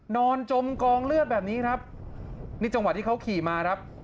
นอนจมกองเลือดแบบนี้ครับนี่จังหวะที่เขาขี่มาครับ